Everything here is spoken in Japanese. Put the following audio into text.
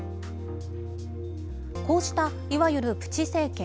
こうしたいわゆるプチ整形。